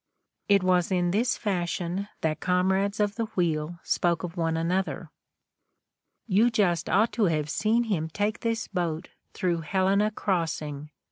It was in this fashion that comrades of the wheel spoke of one another. "You just ought to have seen him take this boat through Helena Cross ing.